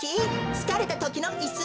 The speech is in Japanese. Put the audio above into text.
つかれたときのいす。